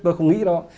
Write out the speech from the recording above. tôi không nghĩ đâu